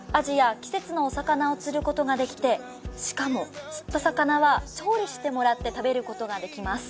季節のお魚を釣ることができて、しかも、釣った魚は調理してもらって、食べることができます。